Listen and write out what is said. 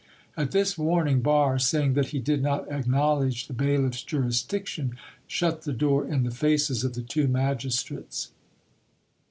At this warning Barre, saying that he did not acknowledge the bailiff's jurisdiction, shut the door in the faces of the two magistrates.